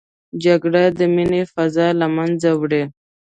جګړه د مینې فضا له منځه وړي